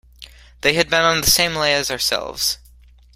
They had been on the same lay as ourselves.